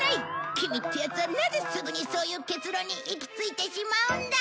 キミってヤツはなぜすぐにそういう結論に行き着いてしまうんだ！